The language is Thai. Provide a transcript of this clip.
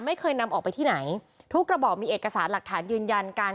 ไม่เคยนำออกไปที่ไหนทุกกระบอกมีเอกสารหลักฐานยืนยันการ